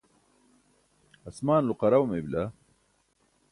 asmaanulo qaraw mey bila.